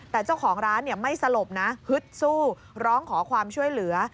แต่เจ้าของร้านไม่สลบนะฮึดสู้ร้องขอความช่วยเหลือ